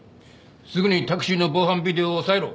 すぐにタクシーの防犯ビデオを押さえろ。